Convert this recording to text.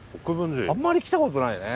あんまり来たことないね。